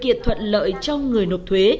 và điều kiện thuận lợi cho người nộp thuế